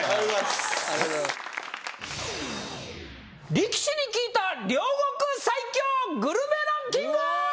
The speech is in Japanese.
力士に聞いた両国最強グルメランキング！